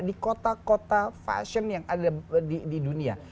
di kota kota fashion yang ada di dunia